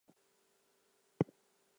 She is given the codename Operative Canary.